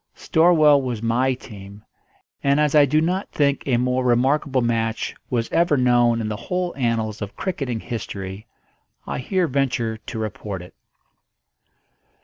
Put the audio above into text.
Storwell was my team; and as I do not think a more remarkable match was ever known in the whole annals of cricketing history, I here venture to report it.